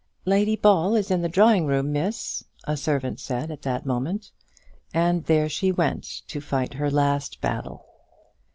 "Lady Ball is in the drawing room, Miss," a servant said at that moment, and there she went to fight her last battle!